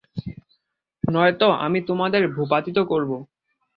নয়তো আমি তোমাদের ভূপাতিত করবো।